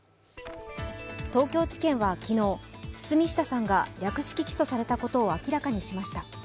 東京調査は昨日、堤下さんが略式起訴されたことを明らかにしました。